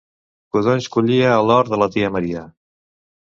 Codonys collia a l'hort de la tia Maria.